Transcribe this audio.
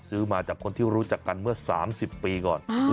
ซื้อมาจากคนที่รู้จักกันเมื่อ๓๐ปีก่อน